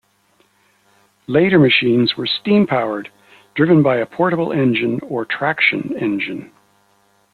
Later machines were steam-powered, driven by a portable engine or traction engine.